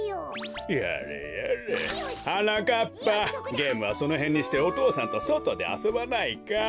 ゲームはそのへんにしてお父さんとそとであそばないか？